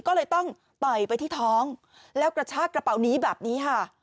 ก็เลยต้องต่อยไปที่ท้องแล้วกระชากระเป๋านี้แบบนี้ค่ะ